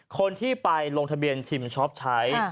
คนที่ไปลงทะเบียนชิมชอบใช้